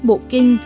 chùa tứ ân